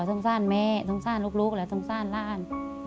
ทรงซ่านแม่ทรงซ่านลูกและทรงซ่านร้าน